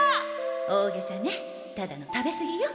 大げさねただの食べすぎよ。